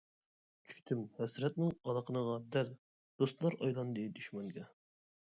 چۈشتۈم ھەسرەتنىڭ ئالىقىنىغا دەل، دوستلار ئايلاندى دۈشمەنگە.